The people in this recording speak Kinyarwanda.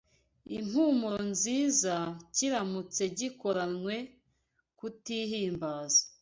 impumuro nziza kiramutse gikoranywe kutihimbaza